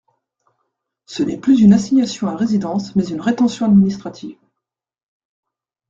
Ce n’est plus une assignation à résidence, mais une rétention administrative.